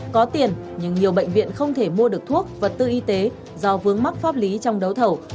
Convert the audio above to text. có tiền nhưng nhiều bệnh viện không thể mua được thuốc vật tư y tế do vướng mắc pháp lý trong đấu thầu